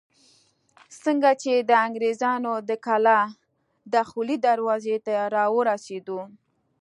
څنګه چې د انګرېزانو د کلا دخولي دروازې ته راورسېدو.